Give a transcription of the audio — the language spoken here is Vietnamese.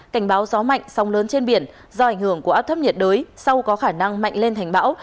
cảnh báo gió mạnh sóng lớn trên biển do ảnh hưởng của áp thấp nhiệt đới sau có khả năng mạnh lên thành bão